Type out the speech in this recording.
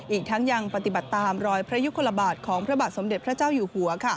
อีกทั้งยังปฏิบัติตามรอยพระยุคลบาทของพระบาทสมเด็จพระเจ้าอยู่หัว